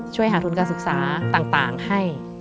ช่วยหาทุนการศึกษาต่างให้